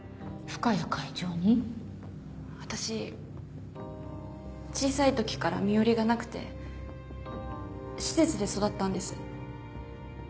私小さい時から身寄りがなくて施設で育ったんです。